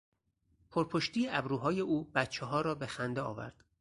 پرپشتی ابروهای او بچهها را به خنده آورد.